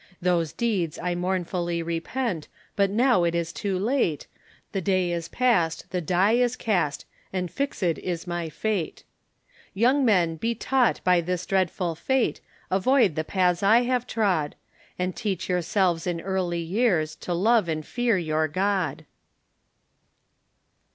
Those deeds I mournfully repent, But now it is too late, The day is past, the die is cast, And fixed is my fate. Young men be taught by this dreadful fate, Avoid the paths I have trod, And teach yourselves in early years, To love and fear your God.